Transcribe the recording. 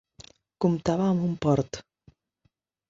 Comptava amb un port.